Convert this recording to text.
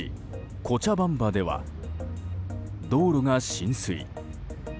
コチャバンバでは道路が浸水。